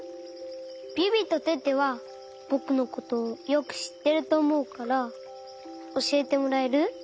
ビビとテテはぼくのことよくしってるとおもうからおしえてもらえる？